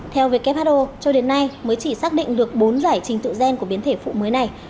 theo who cho đến nay mới chỉ xác định được bốn giải trình tự gen của biến thể phụ mới này